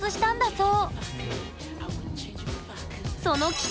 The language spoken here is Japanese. そう